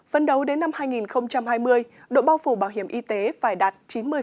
phân đấu đến năm hai nghìn hai mươi đội bao phủ bảo hiểm y tế phải đạt chín mươi